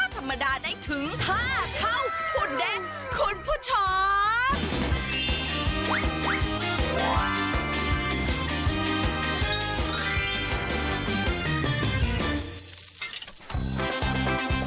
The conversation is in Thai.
ธรรมดาได้ถึง๕เท่าคุณเด้งคุณผู้ชม